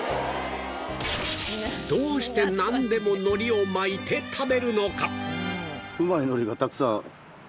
どうしてなんでも海苔を巻いて食べるのか？